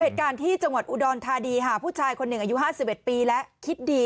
เหตุการณ์ที่จังหวัดอุดรธานีค่ะผู้ชายคนหนึ่งอายุ๕๑ปีแล้วคิดดี